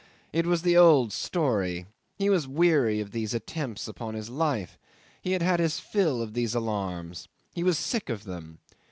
It was the old story. He was weary of these attempts upon his life. He had had his fill of these alarms. He was sick of them.